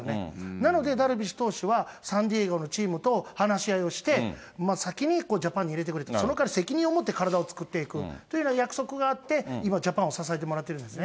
なので、ダルビッシュ投手はサンディエゴのチームと話し合いをして、先にジャパンに入れてくれと、そのかわり責任を持って体を作っていくというような約束があって、今、ジャパンを支えてもらってるんですね。